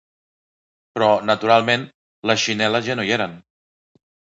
Però, naturalment, les xinel·les ja no hi eren.